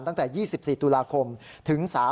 ตั้งแต่๒๔ตุลาคมถึง๓๐